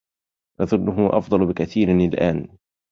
أظنه أفضل بكثير الآن.